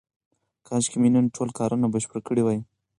کاشکې مې نن ټول کارونه بشپړ کړي وای.